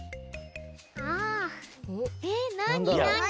あ！えっなになに？